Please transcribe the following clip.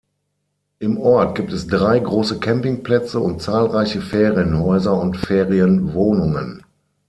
Im Ort gibt es drei große Campingplätze und zahlreiche Ferienhäuser und Ferienwohnungen.